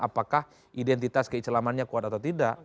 apakah identitas keislamannya kuat atau tidak